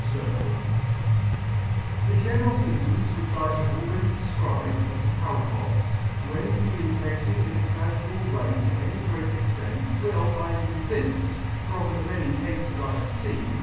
l The general fymptoms which I have already defcribed of the Cow Pox, when communicated in a cafual way to any great extent, will, I am convinced, from the many Cafes I have feen